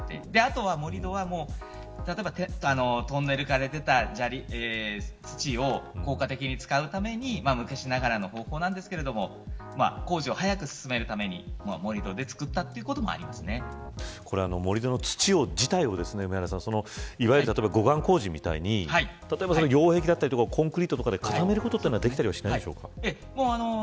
盛土はトンネルから出た砂利を効果的に使うために昔ながらの方法ですが工事を早く進めるため盛土で作ったということも盛り土の土自体をいわゆる護岸工事みたいに擁壁だったりコンクリートで固めることはできないんですか。